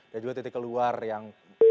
dan juga titik keluar yang